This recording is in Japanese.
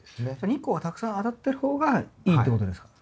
日光がたくさん当たってる方がいいってことですか？